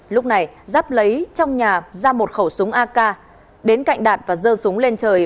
lúc này giáp lấy trong nhà ra một khẩu súng ak đến cạnh đạt và dơ súng lên trời